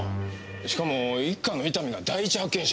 しかも一課の伊丹が第一発見者。